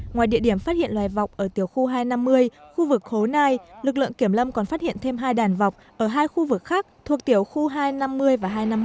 ngoài địa điểm phát hiện loài vọc ở tiểu khu hai trăm năm mươi khu vực khối nai lực lượng kiểm lâm còn phát hiện thêm hai đàn vọc ở hai khu vực khác thuộc tiểu khu hai trăm năm mươi và hai trăm năm mươi một